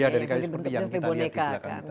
ya dari kayu seperti yang kita lihat di belakang kita